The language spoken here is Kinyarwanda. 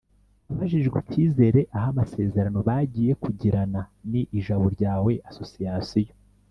Abajijwe icyizere aha amasezerano bagiye kugirana na Ijabo ryawe Association